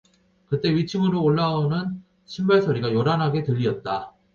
그때 위층으로 올라오는 신발 소리가 요란스레 들리었다.